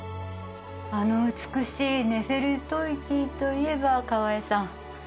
あの美しいネフェルトイティといえば河江さん